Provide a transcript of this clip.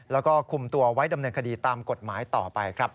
แล้วก็คุมตัวไว้ดำเนินคดีตามกฎหมายต่อไปครับ